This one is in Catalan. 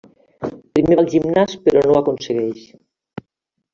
Primer va al gimnàs però no ho aconsegueix.